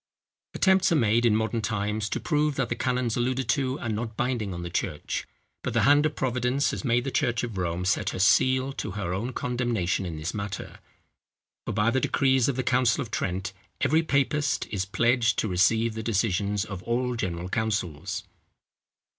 Attempts are made in modern times to prove that the canons alluded to are not binding on the church; but the hand of Providence has made the church of Rome set her seal to her own condemnation in this matter; for by the decrees of the council of Trent every papist is pledged to receive the decisions of all general councils.